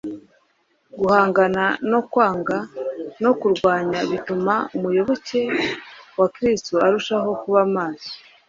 Guhangana no kwangwa no kurwanywa bituma umuyoboke wa Kristo arushaho kuba maso